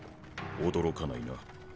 驚かないな。